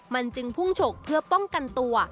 มันจึงพุ่งฉกเพื่อป้องกันตัว